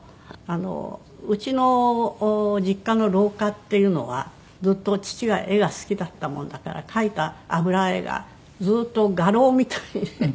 うちの実家の廊下っていうのはずっと父が絵が好きだったもんだから描いた油絵がずっと画廊みたいに飾ってあったのね。